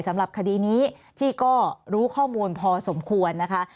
สำหรับคดีนี้ที่ก็รู้ข้อมูลพอสมควรนะคะ